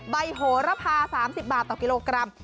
โหระพา๓๐บาทต่อกิโลกรัม